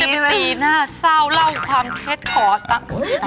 ฉันจะมีตีน่าเศร้าเล่าความเทศขอตะ